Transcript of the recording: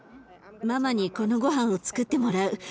ママにこのごはんをつくってもらう。